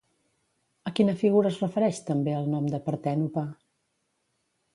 A quina figura es refereix també el nom de Partènope?